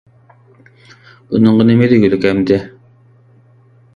بۇنىڭغا نېمە دېگۈلۈك ئەمدى!